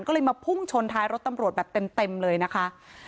ก็เลยมาพุ่งชนท้ายรถตำรวจแบบเต็มเลยนะคะ